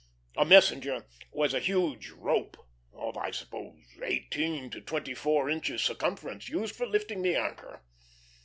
A "messenger" was a huge rope, of I suppose eighteen to twenty four inches circumference, used for lifting the anchor.